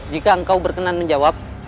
jika engkau berkenan menjawab